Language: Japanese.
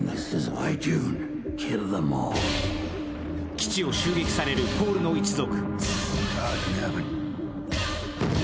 基地を襲撃されるポールの一族。